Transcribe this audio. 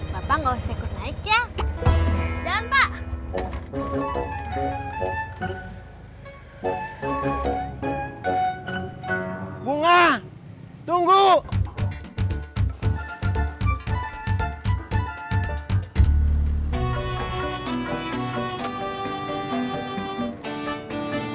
bapak gak usah ikut naik ya